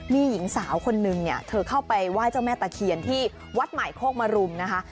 มีหญิงสาวคนนึงเนี่ยเธอเข้าไปไหว้เจ้าแม่ตะเคียนที่วัดใหม่โคกมรุมนะคะ